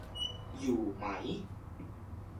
อยู่ไหม